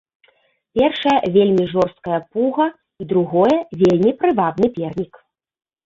Першае, вельмі жорсткая пуга і, другое, вельмі прывабны пернік.